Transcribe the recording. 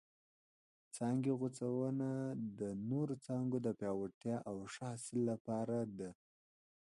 څانګې غوڅونه د نورو څانګو د پیاوړتیا او ښه حاصل لپاره ده.